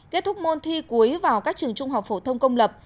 kết thúc môn thi cuối vào các trường trung học phổ thông công lập